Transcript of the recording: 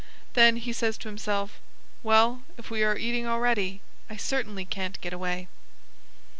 Then he says to himself, "Well, if we are eating already, I certainly can't get away."